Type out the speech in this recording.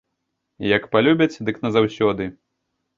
Як палюбяць, дык назаўсёды.